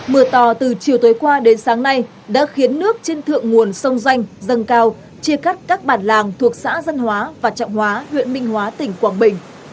mưa to từ chiều tối qua đến sáng nay đã khiến nước trên thượng nguồn sông doanh dâng cao chia cắt các bản làng thuộc xã dân hóa và trọng hóa huyện minh hóa tỉnh quảng bình